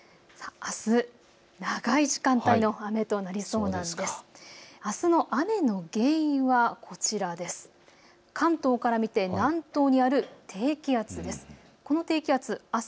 あす、長い時間帯の雨となりそうです。